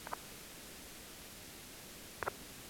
Ticket দেখান ভাই?